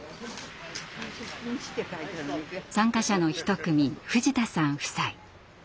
参加者の一組藤田さん夫妻。